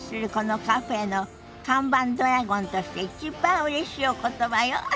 このカフェの看板ドラゴンとして一番うれしいお言葉よ。